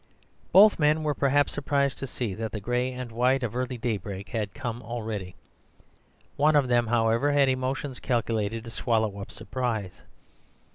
"Both men were perhaps surprised to see that the gray and white of early daybreak had already come. One of them, however, had emotions calculated to swallow up surprise.